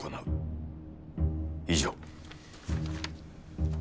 以上。